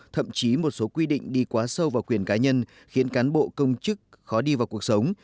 thậm chí một số quy định đi quá sâu vào quyền cá nhân khiến cán bộ công chức khó đi vào cuộc sống